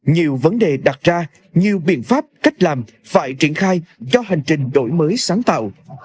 nhiều vấn đề đặt ra nhiều biện pháp cách làm phải triển khai cho hành trình đổi mới sáng tạo